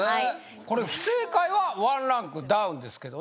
これ不正解は１ランクダウンですけどね